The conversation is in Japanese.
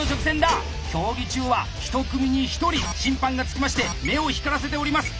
競技中は１組に１人審判がつきまして目を光らせております。